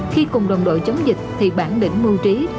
khi cùng đồng đội chống dịch thì bản đỉnh mưu trí